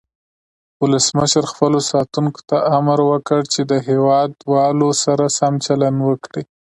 ولسمشر خپلو ساتونکو ته امر وکړ چې د هیواد والو سره سم چلند وکړي.